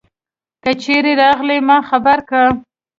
که چیری راغلي ما خبر که